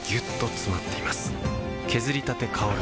削りたて香る